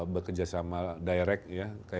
bekerjasama direct ya